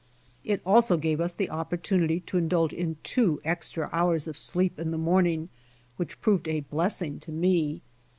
It also gave us the opportunity to indulge in two extra hours of sleep in the morning w^hich proved a blessing to me.